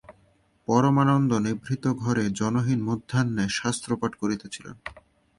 পরমানন্দ নিভৃত ঘরে জনহীন মধ্যাহ্নে শাস্ত্রপাঠ করিতেছিলেন।